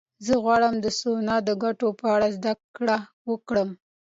زه غواړم د سونا د ګټو په اړه زده کړه وکړم.